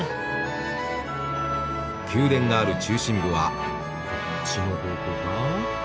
宮殿がある中心部はこっちの方向か？